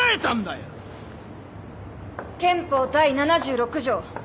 憲法第７６条。